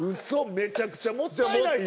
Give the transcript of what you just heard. めちゃくちゃもったいないよ。